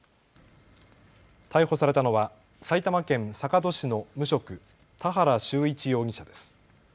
逮捕されたのは埼玉県坂戸市の無職、田原秀一容疑者です。